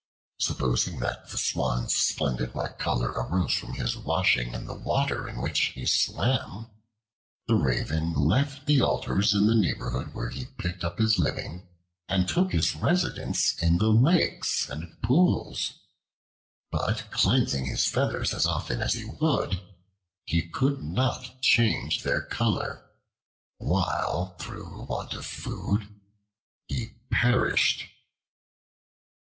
Supposing that the Swan's splendid white color arose from his washing in the water in which he swam, the Raven left the altars in the neighborhood where he picked up his living, and took up residence in the lakes and pools. But cleansing his feathers as often as he would, he could not change their color, while through want of food he perished.